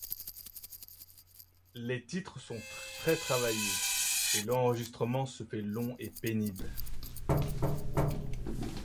Les titres sont très travaillés, et l'enregistrement se fait long et pénible.